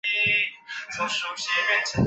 兰州鲇为鲇科鲇属的鱼类。